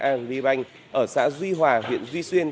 a lưới banh ở xã duy hòa huyện duy xuyên